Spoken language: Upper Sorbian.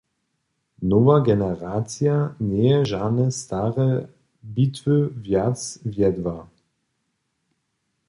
Nowa generacija njeje žane stare bitwy wjac wjedła.